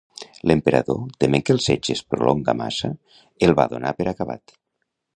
L'Emperador, tement que el setge es prolonga massa, el va donar per acabat.